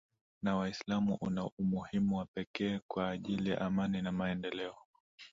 na Waislamu una umuhimu wa pekee kwa ajili ya amani na maendeleo